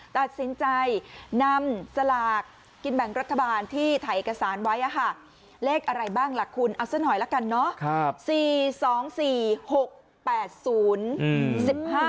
ตัดสินใจนำสลากกินแบ่งรัฐบาลที่ถ่ายเอกสารไว้เลขอะไรบ้างล่ะคุณเอาซะหน่อยละกันเนาะ